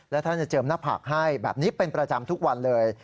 และท่านจะเจิมหน้าผากให้แบบนี้เป็นประจำทุกวันเลย